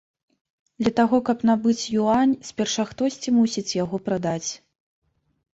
Для таго каб набыць юань, спярша хтосьці мусіць яго прадаць.